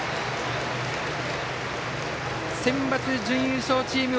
センバツ準優勝チーム